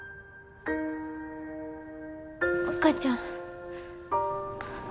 お母ちゃん。